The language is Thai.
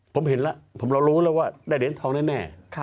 ผมเห็นแล้วเรารู้แล้วว่าได้เหรียญทองแน่